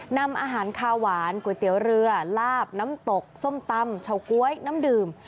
นำอาหารคาหวานก๋วยเตี๋ยวเรือลาบน้ำตกส้มตำเฉาก๊วยน้ำดื่ม